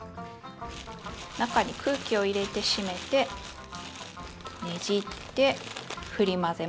中に空気を入れて閉めてねじってふり混ぜます。